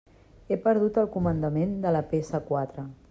He perdut el comandament de la pe essa quatre.